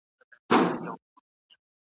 داسي ډېر کسان پردي غمونه ژاړي .